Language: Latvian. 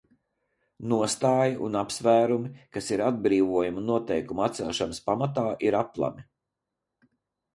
Nostāja un apsvērumi, kas ir atbrīvojuma noteikumu atcelšanas pamatā, ir aplami.